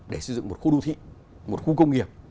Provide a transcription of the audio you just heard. để sử dụng một khu đô thị một khu công nghiệp